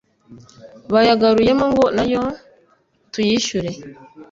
bayagaruyemo ngo nayo tuyishyure